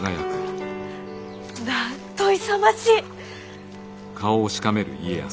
なんと勇ましい！